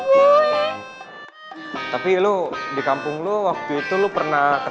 kita buat programa ini jadi sengaja